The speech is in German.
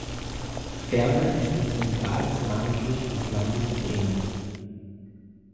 Ferner ist es Zentrales Mahngericht des Landes Bremen.